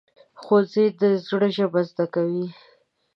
ښوونځی د زړه ژبه زده کوي